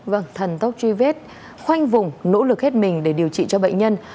vâng thần tốc truy vết khoanh vùng nỗ lực hết mình để điều trị cho bệnh nhân